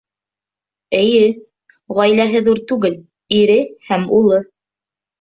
Эйе, ғаиләһе ҙур түгел: ире һәм улы